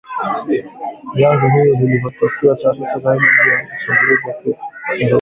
Vyanzo hivyo havikutoa taarifa zaidi juu ya shambulizi la karibuni na hakukuwa na maoni ya haraka kutoka serikalini.